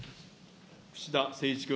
串田誠一君。